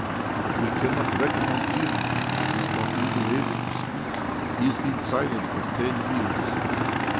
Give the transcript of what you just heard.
But we cannot reckon on him; he is not even able to speak. He has been silent for ten years."